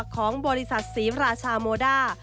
ของบริษัทศรีราชาโมด้า